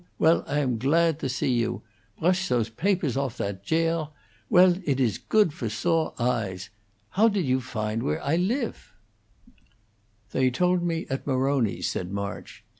Well, I am gladt to zee you. Brush those baperss off of that jair. Well, idt is goodt for zore eyess. How didt you findt where I lif? "They told me at Maroni's," said March.